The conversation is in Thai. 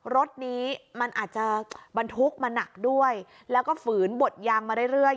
รถนี้มันอาจจะบรรทุกมาหนักด้วยแล้วก็ฝืนบดยางมาเรื่อย